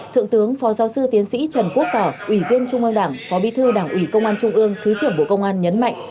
thượng tướng phó giáo sư tiến sĩ trần quốc tỏ ủy viên trung ương đảng phó bí thư đảng ủy công an trung ương thứ trưởng bộ công an nhấn mạnh